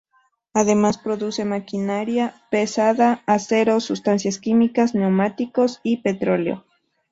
Además produce maquinaria pesada, acero, sustancias químicas, neumáticos, y petróleo.